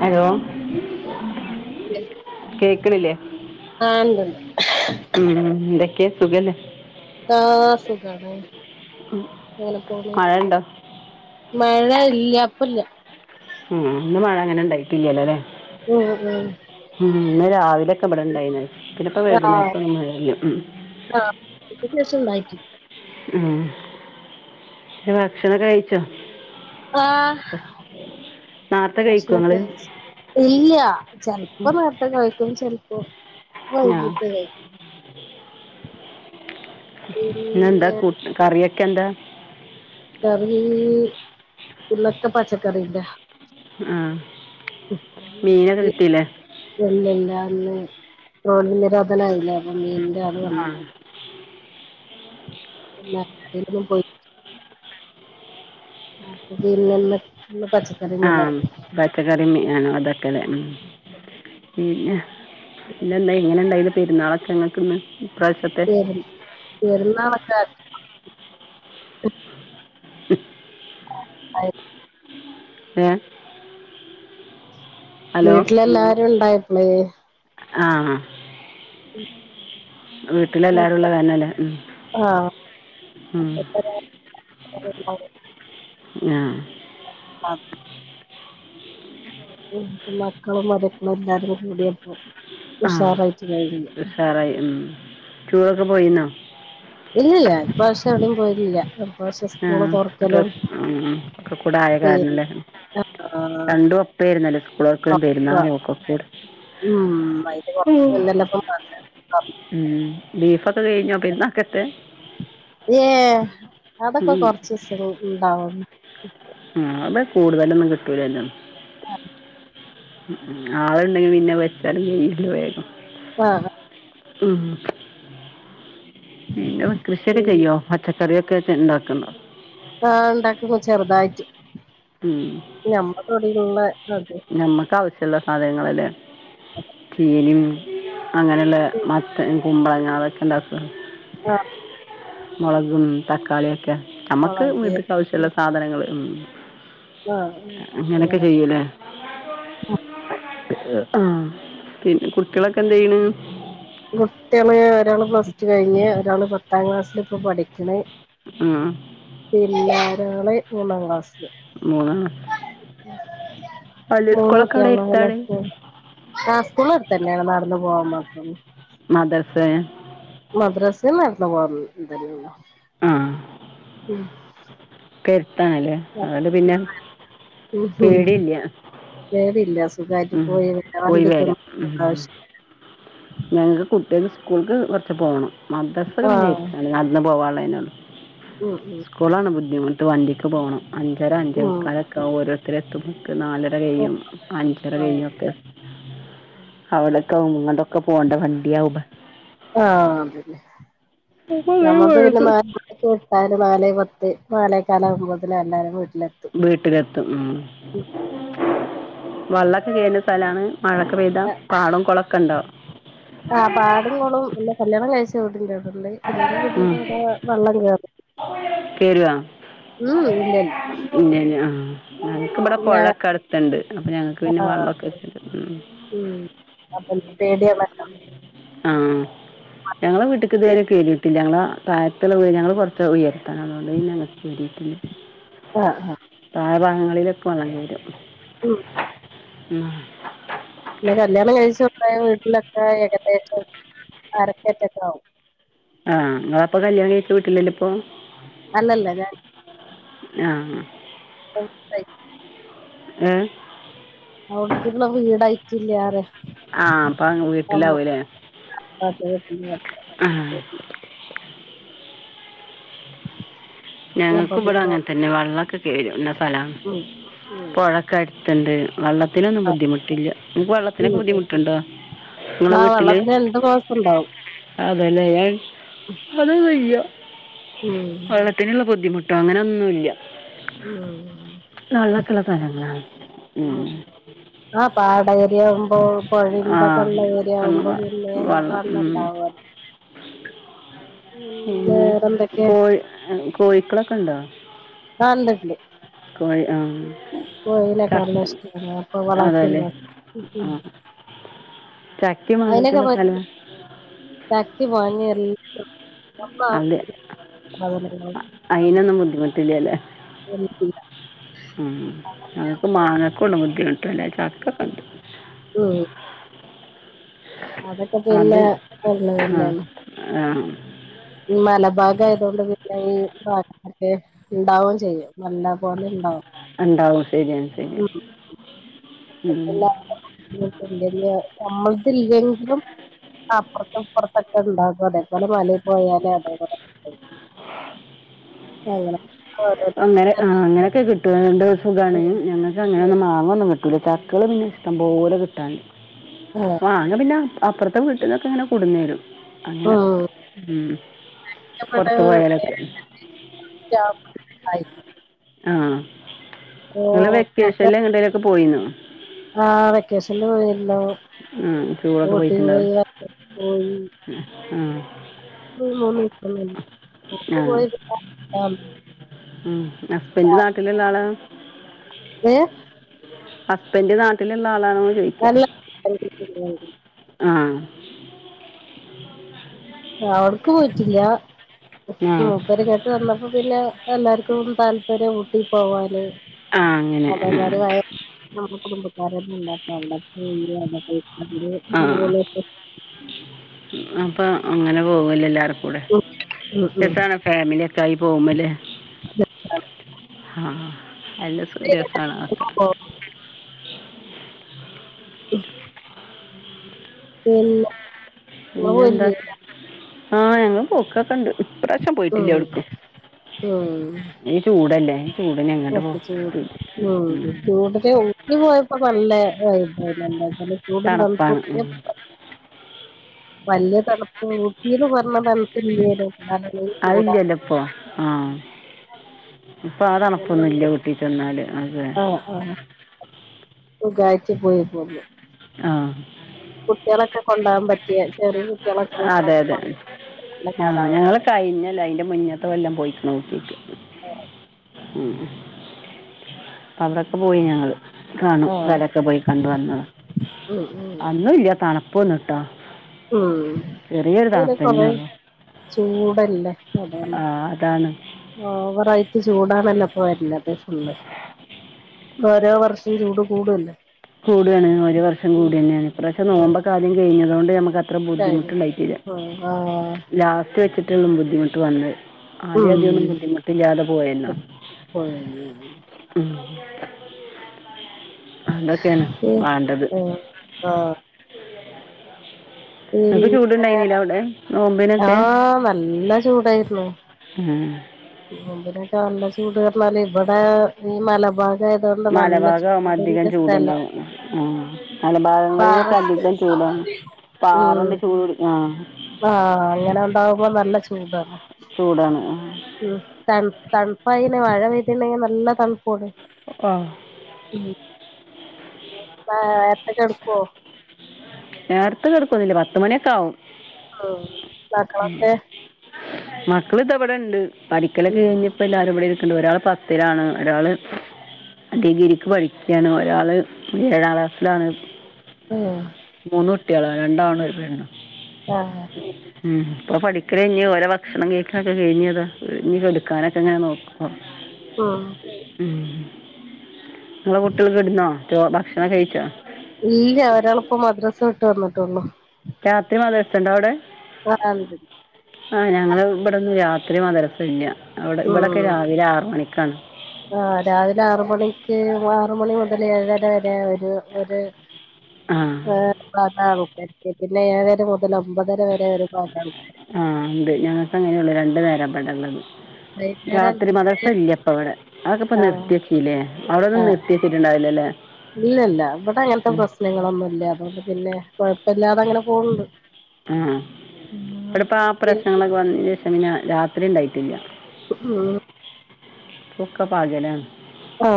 Hello കേക്കണില്ലേ? ആഹ് ഇണ്ട്ണ്ട് ഉം എന്തൊക്കെയ? സുഖല്ലോ ആ സുഖാണ് ഇങ്ങനെ പോണ് മഴ ഉണ്ടോ മഴ ഇ- ഇല്ല അപ്പ ഇല്ല ഉം ഇന്ന് മഴ അങ്ങനെ ഉണ്ടായിട്ടില്ലല്ലോ അല്ലെ മ് മ് ഉം ഇന്ന് രാവിലെൊക്കെ ഇവിടെ ഇണ്ടായിന്ന പിന്നപ്പോ ആഹ് വൈകുന്നേരത്ത് ഒന്നു ഇ വ്യത്യാസം ഉണ്ടായി ഉ ഭക്ഷണം കഴിച്ചോ ആഹ നേരത്തെ കഴിക്കുമോ പ്രശ്നൊക്കെ നിങ്ങള് ഇല്ല ചിലപ്പോ നേരത്തെ കഴിക്കും ചെലപ്പോ ആ വൈകിട്ട് കഴിക്കും പിനെഎന്താ പിന്നെ കറി ഓകെ ഇകന്ത കറി പിന്നക്കെ പച്ചക്കറിന്റെ ആ മീനൊക്കെ കിട്ടിയില്ലേ ഇല്ലല്ല ട്രോളിംഗ് നിരോധനം ആയി ലെ മിൻ മിൻ ആ കാര്വന്നിടല്ല [unintelligible] ആപ്പൊ പിന്നെ ഇന്ന് ഇന്ന് പച്ചക്കറി ആഹ മേലായി പച്ചക്കറി മീ- അണോ അതൊക്കെലെ മ് പിന്നെ പിന്നെ എന്താ ഇങ്ങനെണ്ടാ യിരുന്നുപെരുന്നാളൊക്കെ അങ്ങ [inaudible] ശരി പൈരുന്നാൾ ഓക്കെ ആ എ വീട്ടിലെല്ലാരും ഉണ്ടായി മ ആഹ വീട്ടില്എല്ലാരും ഉള്ള ഒക്കെ കാരണം ലോ ആഹ് ആ ആഹ മക്കളും മരുകളും എല്ലാരും കൂടിയപ്പോ ആ ഉഷാറായിട്ട് കഴിഞ്ഞു ടൂർ ഓക്കെ പോയിന്നോ എവിടേയും പോയിലില്ല ആ ഡ്രസ്സ്ഉ ഒക്കെ കൂട ആയ പിന്നെ കാരണംല്ലേ ആഹ് രണ്ടും ഒപ്പംആയിരുന്നല്ലേ [unintelligible] പക്ക ഉം അയിന്റെ കൊറച്ച് ഉം മുന്നല്ലേ ഇപ്പം മദ്രസ തുറന്നത്. ബീഫൊക്കെ കഴിഞ്ഞോ പെരുന്നാൾക്കത്തെ അഹ അതൊക്കെ കുറച്ചിസള്ളൂ [unintelligible] ഉം അയ്മ്മ കൂടുതലൊന്നും കിട്ടൂലല്ലോ ഉം ആള്ണ്ടെങ്കി പിന്നെ വെച്ചാലും [unintelligible] ആഹ് മ്മ് പിന്നെ കൃഷിയൊക്കെ ചെയ്യോ പച്ചക്കറിയൊക്കെ കൃഷി ഉണ്ടാക്ക്ണ്ടോ ആ ഉണ്ടാക്കുന്നു ചെറുതായിട്ട് ഉം ക്ക് വേണ്ടീട്ട്ള്ളെ ഞമ്മക്കാവ ശ്യള്ള സാധനങ്ങള് ലേ [unintelligible] ഉ അങ്ങനൊള്ളെ ഉം മറ്റ് കുമ്പളങ്ങ അതൊക്കെണ്ടാക്കോ ആ മുളകും തക്കാളിയൊക്കെ നമുക്ക് കോളേജ് വീട്ട്ക്ക് ആവശ്യള്ള സാധനങ്ങള് മ്മ് ആഹ് അങ്ങനൊക്കെ അങ്ങനെ ചെയ്യുലേ ആഹ് പിന്നെ കുട്ടികളൊക്കെ എന്തെയ്ണ് കുട്ട്യള് ഒരാള് പ്ലസ് ടു കഴിഞ്ഞ് ഒരാള് പത്താം ക്ലാസ്സില് ഇപ്പ പഠിക്ക്ണ് ആഹ് പിന്നൊരാള് മൂന്നാം ക്ലാസില് മൂന്ന ണ്ണൊ അവിടെ മൂന്നുട്ട്യോളാണ്ല്ലേ എടുത്താണ് [unintelligible] ടാ കൂള എട്തന്നെയാണ് നടന്ന് പോവാൻ മാത്രം മദർസേ മദ്രസ് നട്ന്ന് പോവാൻ ദൂ ഇതന്നെ ഒള്ളൂ കെരുത്താണ്ല്ലേ അതുകൊണ്ട് പിന്നെ ഉം ഉം. പേടില്ല്യ പേടില്ല സുഖായിട്ട് ഉം പോയി വരാം പോയി വണ്ടിക്കൊന്നും വരാം ഉമ്മ് ആവശ്യ ഞങ്ങക്ക് കുട്ടിയേള് സ്കൂള്ക്ക് കൊറച്ച് പോണം മദ്രസ്സ് ഒക്കെ പിന്നെ എട്ത്താണ് നടന്ന് പോകാൻളെ എന്നനാണ് ഉ ഉ നിങ്ങൾട്ട് വണ്ടിക്ക് പോകണം അഞ്ചറ ഉം അഞ്ചക്കാലക്കെ ഒരുരുത്തര തമുക്ക് നാലര കൈും അഞ്ചര ആഹ് കൈും ഒക്കെ അടെ ണ്ടോ ക്ക പോണ്ട ഫണ്ണ്ടിയ ഉ നമ്മക്ക് പിന്നെ നാലട്ടല് ന പത്ത് വാഴയക്കാലാവകുമ്പോതല എല്ലാവാരും വീട്ടിലെത്തും ഉ വ ചെയ്യുന്ന സ്ഥലമാണ് മഴക്ക പെയ്താ പാടം കുളൊക്ക ഉണ്ടാവ ചോ അ ഇന്റെ വടിന്റെ അവിടെ വെള്ളം കേറും കേരുവാ ഉം ഇല്ല ഇല്ല ഞങ്ങക്ക്ി ഇവിടെ പുഴൊക്കെ അടുത്തണ്ട് അപ്പൊ ഞങ്ങക്ക് പിന്നെ ആ വെള്ളമൊക്കെ വെച്ചിണ്ട് പേടിയ വല്ല ആഹ ഞങ്ങള വീട്ടക്ക് ഇതുവരെ കേറിയിട്ടില്ല ഞങ്ങള പായത്തിലുള്ള ഉയര് ഞങ്ങള്ൾറച്ച ഉയരം ടെങ്ങട്ടായ ആ ആ ങ്ങളിലൊക്ക വന്നരം ആഹ ഉ പിന്നെ കല്യാണം കഴിച്ചണ്ട വീട്ടിലൊക്കെ ഏകദേറ്റം അരക്കേറ്റൊക്കെ ആും ആഹ് നിങ്ങ അപ്പൊ കല്യാണി കഴച്ച വീട്ടില്ലല്ലോ ഇപ്പൊ അല്ലല്ലത ആഹ ഓ ഉം അവിടക്കുള്ള വീടായിട്ടില്ലറെ ആഹ അപ്പൊ വീട്ടിലാവൂലേ ആ അപ്പൊ ഞങ്ങൾക്ക്ും ഇവിടെ പിന്നെ അങ്ങെ തന്നെ വെള്ളമൊക്കെ പേരോന പല ഉം ഉം പുഴക്കടി ത്ണ്ട് വള്ള ത്തിനൊന്നും ബുദ്ധിമുട്ടില്ല നിങ് ക്ക് വെള്ളത്തിനൊക്കെ ബുദ്ധിമുട്ടുണ്ടോ നിങ്ങള ആ വീട്ടില് വെള്ളത്തിന് രണ്ട് മാസം ഉണ്ടാവും അതലെ ൻ ഹതവയ്യ ഹിം ള്ള ബുദ്ധിമുട്ടോ അങ്ങനൊന്നുല്ല ഉം ള്ളക്കള തരങ്ങളാണ് ഉം ഇമ് ഓ പൊഴേമ് ഇതൊക്കെ ഇള്ളവരെ ആവുമ്പോ പിന്നേ വെള്ളം ഉം. വള്ളണ്ടാവല്ലോ പിന്നെ കോഴി എഹ് കോ കോയിക്കളൊക്കണ്ടോ ആഹ് ഇണ്ട് ഇണ്ട് കോയിനൊക്കെ ചക്ക അവനഷ്ട്ടാണ് അപ്പൊ അതല്ലേ വളർത്തിണ്ടാക്കും ഹി ആ ഹിം ചക്കയും മാങ്ങയ്ക്കുള്ള അതിനനൊക്കെപറ്റി സ്ഥലം ചക്കി വാങ്ങി അലെ സാധനങ്ങളും അയിനൊന്നും ബുദ്ധിമുട്ടില്യാലേ ഉമ് ഞങ്ങക്ക് മാങ്ങക്കൊള്ളൂ ബുദ്ധിമുട്ട്ല്ലെ ചക്കൊക്കണ്ട് ഉം അതൊക്കെ പിന്നെ അത് ആ കൊർണർലാണ് ആ മ്മല ബാഗായതോണ്ട് പിന്നേ ഈ പാ എഹ് ഉണ്ടാവും ചെയ്യും നല്ല പോലെ ഇണ്ടാവും ഉണ്ടാവും ശരിയാണ് ശരിയാണ് ഉം. മ്മ സിൽവെങ്കിലും അപ്പർത്തുപ്പർത്തൊക്കെ ഉണ്ടാകും അതെ പോലെ മലര്ക്ക അതെ അതെ കു അങ്ങനെ അങ്ങനെ ആ അങ്ങനൊക്കെ കിട്ടൊണ്ട് സുഖാണ് ഞങ്ങക്ക് അങ്ങനൊന്നും മങ്ങൊന്നും കിട്ടു ചില ചക്കേള് പിന്നെ ഇഷ്ടംപോലെ കിട്ടാൻ മാങ്ങപിന്ന അപ്പർത്തെ വീട്ട്ന്നൊക്കെ ഇങ്ങനെ കൊട്ന്നേരും അങ്ങനപ് ഇമ് പ്പ ആയിക്ക ആഹ നിങ്ങള് ഞങ്ങ വെക്കേഷൽ എങ്ങൊക്കെ പോയിരുന്നു ആ വെക്കേഷ എല്ല ഉം ടൂറൊക്കെ ഉട്ടി പോയി പോയി ഉഹ മ മമ്മി ആ യ ഉം ഹസ്ബന്റ് നാട്ടിലള്ള ആള് ഏ അപ്പന്റെ നാട്ടിലെല്ലാ ന ആഹ അവിടക്ക് പോയിട്ടില്ല ആ ഉ പെങ്ങാട്ട് തന്നപ്പോ പിന്നെ എല്ലാർക്കും താല്പര്യം ഊട്ടി പോവാാന് ആഹ അങ്ങനെ ആ നമ്മുടെ കുടുംബക്കാരന്നെ ഉണ്ടാക്കണ്ട് ആഹ അപ്പൊ അങ്ങനെ ഓ ഇല്ലല്ലർക്കും ഉം ഉം എസണ ഫാമിലിയ ഒക്കെ ആയി പോകുമ്പല്ലേ ആഹ അല്ല പിന്നെ സൂര്യാസണതൊക്കെ ആഹ എ പിന്നെ എന്താ ആഹ് ഞങ്ങള്ൾ പക്കൊക്കെ ഉണ്ട് ഇപ്രാവശ്യം ഉം പോയിട്ടില്ലേ എടുക്ക് നീ ചൂടല്ലേ ചൂടിന് മ എങ്ങോട്ട് പോകും ഉ ചൂട്ടത്തെ ഊങ്ങി പോയപ്പോ നല്ല ഓ ഇല്ല നലച്ചൂടും തണുപ്പ് തണുപ്പാണ് ഉം. വലിയ തണുപ്പൂട്ടീന്ന് പറഞ്ഞ തണു അയില്ലല്ല ഇപ്പൊ ആഹ ഇപ്പൊ ആ അങ്ങനെ വന്ന് തണുപ്പൊന്നുല്ല ഊട്ടി ചെന്നാൽ അതെ ബുധനാഴ്ച പോയി പോന്നു ആഹ് കുട്ടികളൊക്കെ കൊണ്ടോവാൻ പറ്റിയേ അതെ അതെ നല്ല ആഹ് കാലാവ ഞങ്ങള് കഴിഞ്ഞല്ല അതിന്റെ മുന്നത്തെ കൊല്ലം പോയിനി [unintelligible] ഓ ഉം അവിടൊക്കെ പോയി ഞങ്ങള് കാണും കരൊക്കെ പോയി കണ്ട് വന്നതാ ഉം ഉം അന്നും ഇല്ല തണ് പൊന്ന്ട്ടൊ ഉം ചെറിയൊരു പിന്നെ കൊറേ തണുത്തന്നെയണോ ചൂടല്ലേ അതാണ് അതാണ് ഓവറായിട്ട് ചൂടാണല്ലോ [unintelligible] ഫുള്ള് ഓരോ വർഷം ചൂട് കൂടല്ലേ കൂടാണ് ഒരു വർഷം കൂടി തന്നെയാണ് ഇപ്രാവശ്യം ഉം നോമ്പോകെ ആദ്യം കഴിഞ്ഞതൊണ്ട് അത്ര ശരി ബുദ്ധിമുട്ടുണ്ടായിട്ടില്ല ആഹ് ലാസ്റ്റ് വെച്ചിട്ടുള്ള ബു ഇങ്ങോട്ട്‌ വന്ന് ആദ്യആദ്യം ഒന്നും ഉം ആഹ് ബുദ്ധിമുട്ടില്ലാതെ പോയന്നോ [unintelligible] അതൊക്കെയാണ് വാണ്ടത് നിക്ക് പിന്നെ ചൂട്ണ്ടായിന്നില്ല അവിടെ നോമ്പിനൊക്കെ ആഹ് നല്ല ചൂടായിരുന്നു ഉമ് നോമ്പിനൊക്കെ നല്ല ചൂട് പറഞ്ഞാല് ഇവിടെ ഈ മലബാ മലഭാഗം ആവുമ്പോ അധികം ചൂടുണ്ടാവും ആഹ് പാറ മലഭാഗങ്ങളിലൊക്കെ അധികം ചൂട ഉം പാറണ്ട് ചൂട് ആഹ് ആഹ് അങ്ങനെ ഉണ്ടാവുമ്പോ നല്ല ചൂടാണ് ചൂടാണ് തണുപ്പായിനെ മഴ പെയ്തിട്ടങ്കിൽ നല്ല തണു പോണ് ആ ഉമ് ആഹ് എപ്പ കെടക്കുവോ നേരത്തേ കേടക്കൊന്നില്ല പത്തുമണിയൊക്കെ ആകും ഉമ് ന്നക്യാണ്ട് [unintelligible] ഇവിടെണ്ട് പഠിക്കലൊക്കെഴിഞ്ഞപ്പോ എല്ലാരുംടെ ണ്ട് ഒരാള് പത്തിലാണ് ഒരാള് ഡിഗിരിക്ക് പഠിക്കുകയാണ് ഒരാള് ഏഴാം ക്ലാസ്സിലാണ് ഉം മൂന്നുട്യളാ രണ്ടാണും ഒരു പെണ്ണും ആഹ് ഉം ഇപ്പൊപഠിക്കല്ഴിഞ്ഓരോഭക്ഷണംകഴിക്കലൊക്കെകഴിഞ് അത് ഇഴഞ് കൊടുക്കാനൊക്കെ ഇങ്ങനെ നോക്കും ആഹ് ഉം നിങ്ങളെ കുട്ടികള് കെടന്നോ ഭക്ഷണം കഴിച്ചോ ഇല്ല ഒരാളിപ്പോ മദ്രാസ വിട്ട് വന്നിട്ടേ ഒള്ളു രാത്രി മദ്രസുണ്ടോ അവിടെ ആഹ് ഇണ്ട് ആഹ് ഞങ്ങള് ഇവിടൊന്നും രാത്രി മദ്രസ ഇല്ല അവിടെ ഇവിടെയൊക്കെ ഉം രാവിലെ ആറ് മണിക്കാണ് ആ രാവിലെ ആറ് മണിക്ക് ആറുമണി മുതൽ ഏഴര വരെ ഒര് ആ ഏ അത [unintelligible] പിന്നെ ഏഴര മുതൽ ഒമ്പതര വരെ ഒരുപാട് ആൾക്കാര് ആഹ് ഉണ്ട് ഞങ്ങൾക്കങ്ങനെള്ളു രണ്ടു നേരാ ബടെ ഇള്ളത് വൈകുന്നേരം രാത്രി അഞ്ച് മദർസ ഇല്ല ഇപ്പവടെഅതൊക്കപ്പ ആഹ് നിർത്തിച്ച് ലേ അവിടൊന്നും നിർത്തിച്ചിട്ടുണ്ടാവില ല്ലേ ഇല്ല ല്ല ഇവടെ അങ്ങനത്തെ പ്രശ്നങ്ങളൊന്നുംല്ലേ അതോണ്ട് പിന്നെ കൊയപ്പല്യതെ അങ്ങനെ പോണ്ട് ആ ഇവിടെപ്പ ആ പിന്നെ പ്രശ്നങ്ങളൊക്കെ വ പമന രാത്രി ഉണ്ടായിട്ടില്ല ആഹ [unintelligible] ഇപ്പ ഒക്കെ പകലാണ് ആ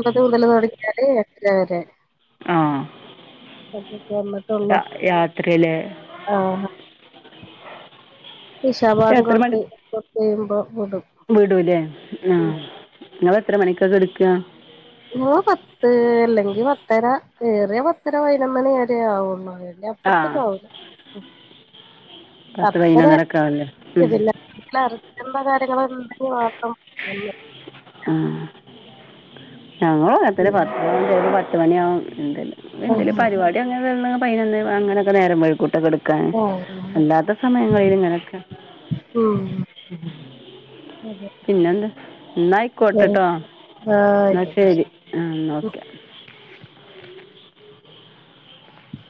അപത് മുതൽ തുടങ്ങിയാല് എത്ര വരെ ആ ഉ [unintelligible] യാത്രയിലെ ഇശാ ബാങ്കൊട്ത്ത് കൊറച്ച് യ്യുമ്പോ വിടും ഉ എത്ര മണികാ കെടക്ക? ഞങ്ങള് പത്ത് അല്ലെങ്കിൽ പത്തര ഏറിയ പത്തര പൈ നൊന്നണിആവുള്ള ആ പ്പ [unintelligible] പത്ത് വർത്തെ പതിനൊന്നരയൊക്കെ ആവുമല്ലേ [unintelligible] ഉം ചെയ്യണം. ഞങ്ങളുംഅങ്ങൻതന്നെപത്ത് മണിയാകും എന്ത എന്തേലും ആഹ്. പരിപാടി അങ്ങനെ അതിനെ അങ്ങനൊക്കെ നേരം പോഴക്കിക്കട്ടും ഒട്ടെടുക്കാൻ ആഹ്. അല്ലാത്ത സമയങ്ങളിൽ ഇങ്ങനൊക്കെ ഉം. അതെ. പിന്നെന്താ ശരി. നയിക്കോട്ടട്ടോ ആഹ് എന്നാ ആയിക്കോട്ടെ. ശരി ആഹ നോക്കെ യ